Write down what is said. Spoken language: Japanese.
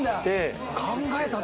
考えたな！